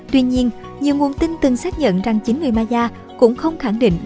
tuy nhiên nhiều nguồn tin từng xác nhận rằng chính người maya cũng không khẳng định